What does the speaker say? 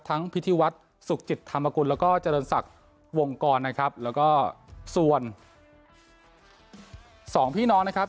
พิธีวัฒน์สุขจิตธรรมกุลแล้วก็เจริญศักดิ์วงกรนะครับแล้วก็ส่วนสองพี่น้องนะครับ